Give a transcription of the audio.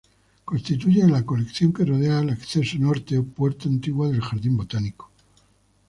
Constituye la colección que rodea al acceso norte o puerta antigua del jardín botánico.